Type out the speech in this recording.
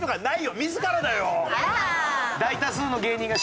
自らだよ。